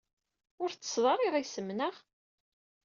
Ur tettessed ara iɣisem, naɣ?